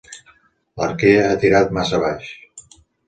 L'arquer ha tirat massa baix.